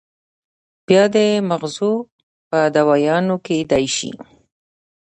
بيا د مزغو پۀ دوايانو کېدے شي